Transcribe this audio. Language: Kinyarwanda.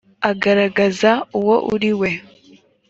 agaragaza uwo uri wese